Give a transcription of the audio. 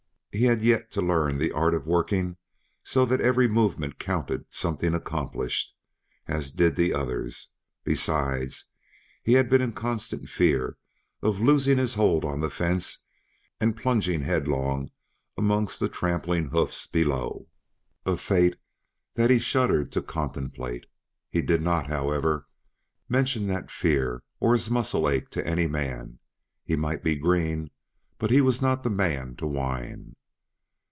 He had yet to learn the art of working so that every movement counted something accomplished, as did the others; besides, he had been in constant fear of losing his hold on the fence and plunging headlong amongst the trampling hoofs below, a fate that he shuddered to contemplate. He did not, however, mention that fear, or his muscle ache, to any man; he might be green, but he was not the man to whine.